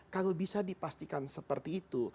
kalau bisa dipastikan seperti itu